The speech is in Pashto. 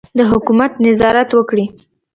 د حکومت نظارت وکړي.